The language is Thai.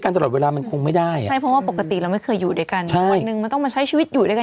เอาตรงคนสมัยนี้ก็ไม่ค่อยโอบธนแล้วเนอะ